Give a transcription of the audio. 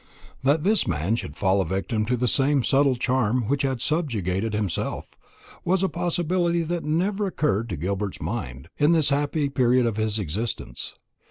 That this man should fall a victim to the same subtle charm which had subjugated himself, was a possibility that never occurred to Gilbert's mind, in this happy period of his existence.